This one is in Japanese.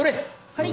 はい。